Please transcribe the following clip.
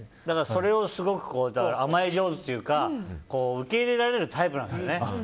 それをすごく甘え上手というか受け入れられるタイプなんだね。